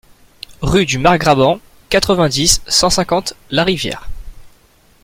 Rue du Margrabant, quatre-vingt-dix, cent cinquante Larivière